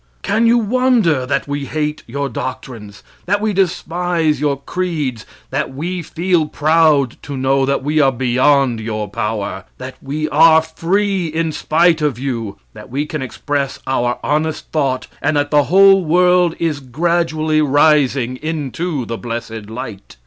Can you wonder that we hate your doctrines; that we despise your creeds; that we feel proud to know that we are beyond your power; that we are free in spite of you; that we can express our honest thought, and that the whole world is gradually rising into the blessed light?